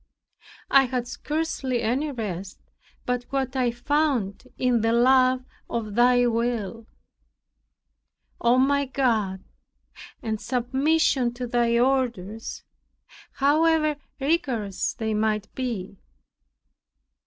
I had scarcely any rest but what I found in the love of Thy will, O my God, and submission to Thy orders, however rigorous they might be.